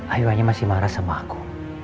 ayu hanya masih marah sama aku